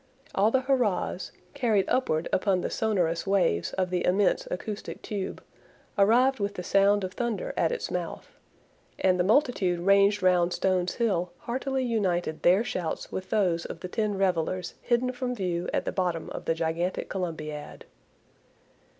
All the hurrahs, carried upward upon the sonorous waves of the immense acoustic tube, arrived with the sound of thunder at its mouth; and the multitude ranged round Stones Hill heartily united their shouts with those of the ten revelers hidden from view at the bottom of the gigantic Columbiad.